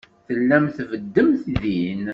Tellamt tbeddemt din.